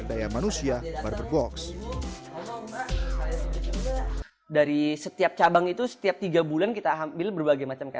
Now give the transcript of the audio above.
tanggung jawab berusia dua puluh delapan tahun ini ketika smart hygiene